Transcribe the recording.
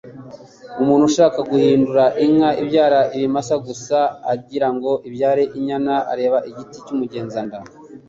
Umuntu ushaka guhindura inka ibyara ibimasa gusa, agirango ibyare inyana, areba igiti cy’umugenzanda ,